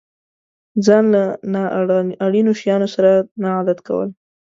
ځان له نا اړينو شيانو سره نه عادت کول.